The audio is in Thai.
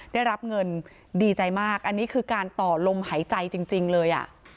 ได้รับเงินดีใจมากอันนี้คือการต่อลมหายใจจริงเลย